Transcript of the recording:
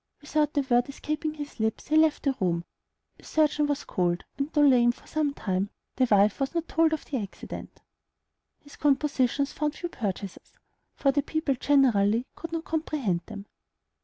Without a word escaping his lips, he left the room, a surgeon was called, and, though lame for some time, the wife was not told of the accident. His compositions found few purchasers, for the people generally could not comprehend them.